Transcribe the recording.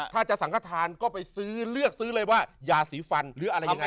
ถ้าจะสังขทานก็ไปซื้อเลือกซื้อเลยว่ายาสีฟันหรืออะไรยังไง